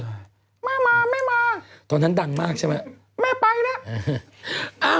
แม่มาแม่มาตอนนั้นดังที่ทำงานป่ะแม่อีกแล้ว